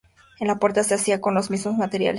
La puerta se hacía con los mismos materiales.